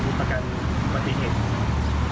สมมุติประกันปฏิเสธ